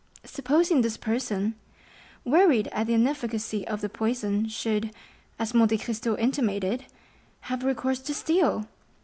Supposing this person, wearied at the inefficacy of the poison, should, as Monte Cristo intimated, have recourse to steel!